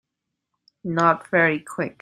Not very Quick.